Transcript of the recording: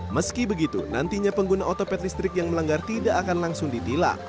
meski begitu nantinya pengguna otopet listrik yang melanggar tidak akan langsung ditilang